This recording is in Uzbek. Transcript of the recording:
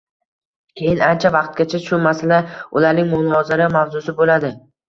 Keyin ancha vaqtgacha shu masala ularning munozara mavzusi boʻladi.